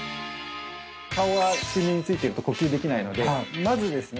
顔は水面についてると呼吸できないのでまずですね